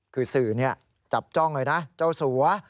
คือสื่อจับจ้องเลยนะเจ้าสัว